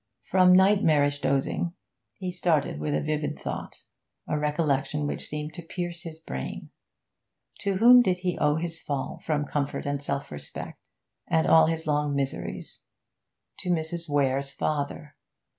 From nightmarish dozing, he started with a vivid thought, a recollection which seemed to pierce his brain. To whom did he owe his fall from comfort and self respect, and all his long miseries? To Mrs. Weare's father.